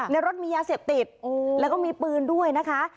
ในรถมียาเสพติดแล้วก็มีปืนด้วยนะคะ